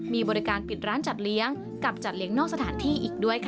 มีบริการปิดร้านจัดเลี้ยงกับจัดเลี้ยนอกสถานที่อีกด้วยค่ะ